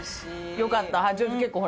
よかった！